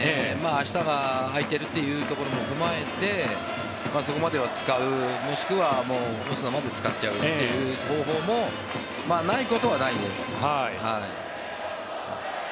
明日は空いてるってところも踏まえてそこまでは使うもしくはオスナまで使っちゃうという方法もないことはないです。